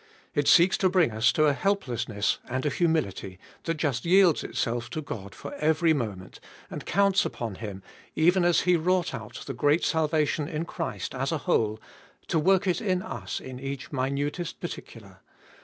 It seeks to bring us to a helpless ness and a humility that just yields itself to God for every moment, and counts upon Him, even as He wrought out the TTbe Ibeliest of an 543 great salvation in Christ as a whole, to work it in us in each minutest particular.